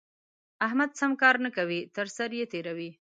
احمد سم کار نه کوي؛ تر سر يې تېروي.